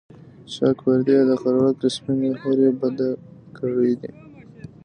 چاک پردې یې د خلوت کړه سپیني حوري، بد ګړی دی